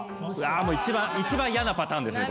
一番一番嫌なパターンですね